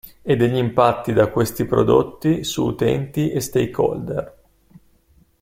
E degli impatti da questi prodotti su utenti e stakeholder.